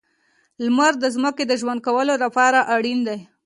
• لمر د ځمکې د ژوند کولو لپاره اړین دی.